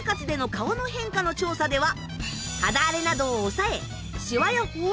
の調査では肌荒れなどを抑え。